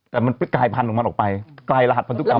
แต่กลายพันธุ์ของมันออกไปไปรหัสพันธุกรรมออกไป